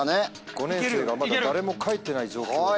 ５年生がまだ誰も書いてない状況で。